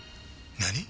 何？